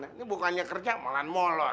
ini bukannya kerja malahan molor